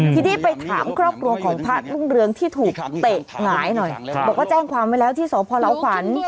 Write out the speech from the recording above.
ทีนี้ไปถามครอบครัวของพระรุ่งเรืองที่ถูกเตะหงายหน่อยบอกว่าแจ้งความไว้แล้วที่สพลาวขวัญ